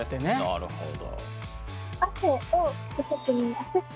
なるほど。